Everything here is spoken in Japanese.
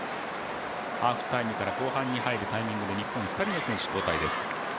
ハーフタイムから後半に入るタイミングで日本、２人の選手、交代です。